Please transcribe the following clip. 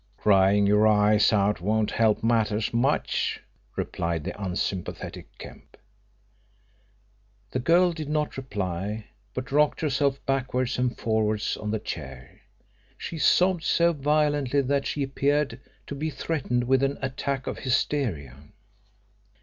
"Crying your eyes out won't help matters much," replied the unsympathetic Kemp. The girl did not reply, but rocked herself backwards and forwards on the chair. She sobbed so violently that she appeared to be threatened with an attack of hysteria.